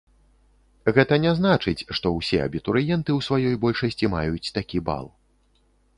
Гэта не значыць, што ўсе абітурыенты ў сваёй большасці маюць такі бал.